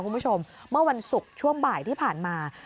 เมื่อวันศุกร์ช่วงบ่ายที่ผ่านมา